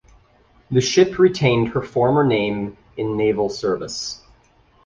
The ship retained her former name in naval service.